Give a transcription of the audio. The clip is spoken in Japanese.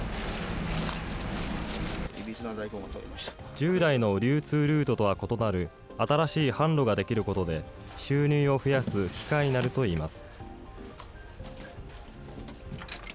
従来の流通ルートとは異なる新しい販路ができることで、収入を増やす機会になるといいます。